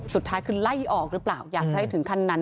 สุดท้ายคือไล่ออกหรือเปล่าอยากจะให้ถึงขั้นนั้น